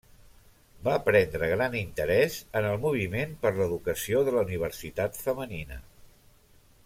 Va prendre gran interès en el moviment per l'educació de la Universitat femenina.